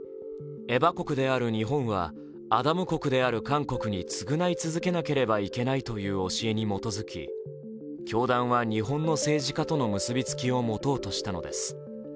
エバ国である日本はアダム国である韓国に償い続けなければいけないという教えに基づき教団は、日本の政治家との結びつきを持とうとしたのです。